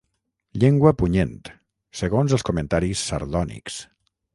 Llengua punyent, segons els comentaris sardònics.